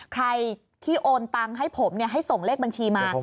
ใครที่โอนตังค์ให้ผมให้ส่งเลขบัญชีมา